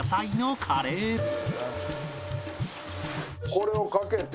これをかけて。